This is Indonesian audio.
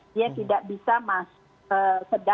dia tidak bisa masuk ke dalam